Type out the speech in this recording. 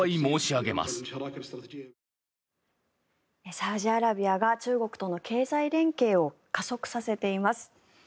サウジアラビアが中国との経済連携を加速させています。